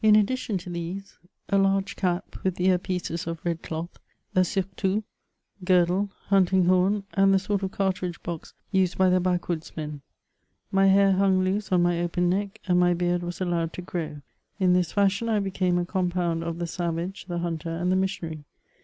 265 addition to these, a larg^ cap, with ear pieces of red cloth, a sur tout, girdle, hunting horn, and the sort of cartridge hox used hy the hackwoods' men. My hair hung loose on my open neck, and my heard was allowed to grow. In this fashion I became a compound of the savage, the hunter, and the missionary.